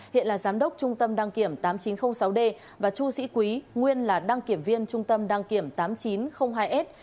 hiện là giám đốc trung tâm đăng kiểm tám nghìn chín trăm linh sáu d và chu sĩ quý nguyên là đăng kiểm viên trung tâm đăng kiểm tám nghìn chín trăm linh hai s